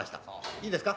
いいですか？